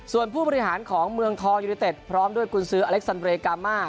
ส่วนผู้บริหารของเมืองทองยูนิเต็ดพร้อมด้วยกุญซื้ออเล็กซันเรย์กามา